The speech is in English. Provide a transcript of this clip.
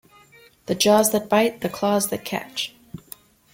The jaws that bite, the claws that catch!